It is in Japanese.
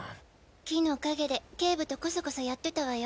木の陰で警部とコソコソやってたわよ。